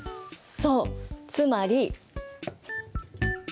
そうつまり。